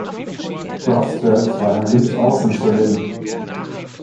Brustad war ein Linksaußen für Lyn.